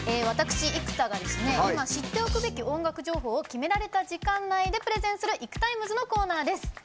私、生田が今、知っておくべき音楽情報を決められた時間内でプレゼンする「ＩＫＵＴＩＭＥＳ」のコーナーです。